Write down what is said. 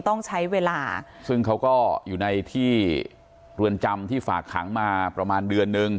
ต้องใช้เวลาซึ่งเขาก็อยู่ในที่เรือนจำที่ฝากขังมาประมาณเดือนนึง